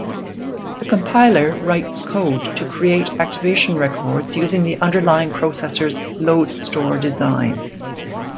The compiler writes code to create activation records using the underlying processor's load-store design.